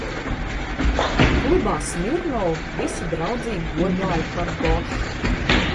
Klubā Smirnovu visi draudzīgi godāja par Gošu.